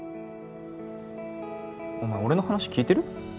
お前俺の話聞いてる？